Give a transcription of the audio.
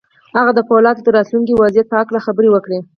هغه د پولادو د راتلونکي وضعيت په هکله خبرې وکړې.